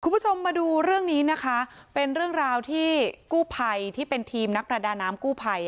คุณผู้ชมมาดูเรื่องนี้นะคะเป็นเรื่องราวที่กู้ภัยที่เป็นทีมนักประดาน้ำกู้ภัย